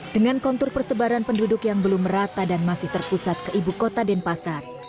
dengan kontur persebaran penduduk yang belum merata dan masih terpusat ke ibu kota denpasar